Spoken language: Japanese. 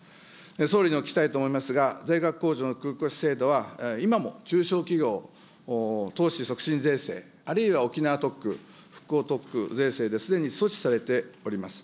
総理にお聞きしたいと思いますが、税額控除の繰り越し制度は、今も中小企業投資促進税制、あるいは沖縄特区、復興特区税制ですでに措置されております。